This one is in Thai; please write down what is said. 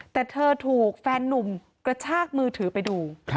แต่เธอถูกแฟนนุ่มกระชากมือถือไปดู